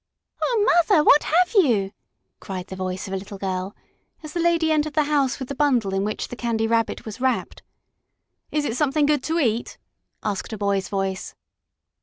"Oh, Mother! What have you?" cried the voice of a little girl, as the lady entered the house with the bundle in which the Candy Rabbit was wrapped. "Is it something good to eat?" asked a boy's voice.